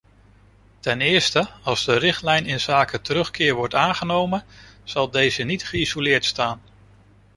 Ten eerste, als de richtlijn inzake terugkeer wordt aangenomen, zal deze niet geïsoleerd staan.